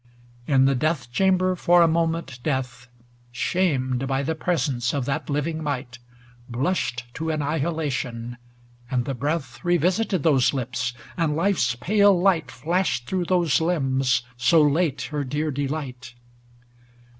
XXV In the death chamber for a moment Death, Shamed by the presence of that living Might, Blushed to annihilation, and the breath Revisited those lips, and life's pale light Flashed through those limbs, so late her dear delight.